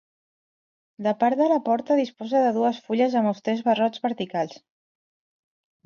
La part de la porta disposa de dues fulles amb austers barrots verticals.